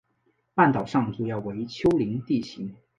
半岛上主要为丘陵地形。